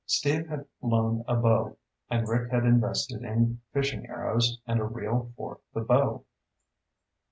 Steve had loaned a bow, and Rick had invested in fishing arrows and a reel for the bow.